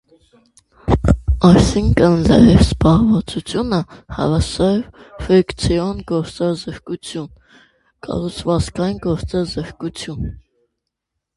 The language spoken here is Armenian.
Այսինքն՝ լրիվ զբաղվածությունը հավասար է ֆրիկցիոն գործազրկություն + կառուցվածքային գործազրկություն։